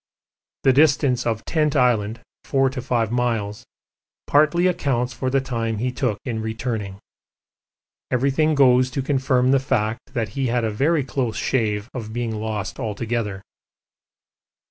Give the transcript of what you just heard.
The distance of Tent Island, 4 to 5 miles, partly accounts for the time he took in returning. Everything goes to confirm the fact that he had a very close shave of being lost altogether.